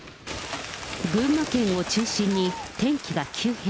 群馬県を中心に、天気が急変。